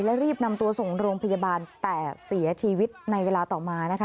และรีบนำตัวส่งโรงพยาบาลแต่เสียชีวิตในเวลาต่อมานะคะ